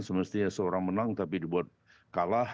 semestinya seorang menang tapi dibuat kalah